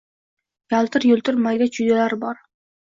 Yaltir-yultir mayda-chuydalar bor.